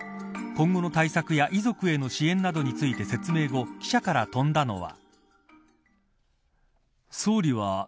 今後の対策や遺族などへの支援などについて説明後記者から飛んだのは。